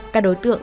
các đối tượng